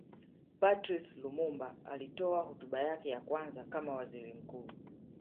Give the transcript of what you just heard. Patrice Lumumba alitoa hotuba yake ya kwanza kama Waziri mkuu